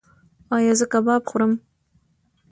ایا زه کباب وخورم؟